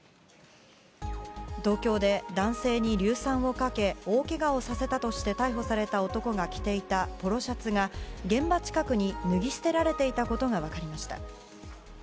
東京で男性に硫酸をかけ大けがをさせたとして逮捕された男が着ていたポロシャツが、現場近くに脱ぎ捨てられていたことが分かりました。